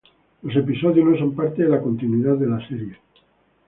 Los episodios no son parte de la continuidad de la serie.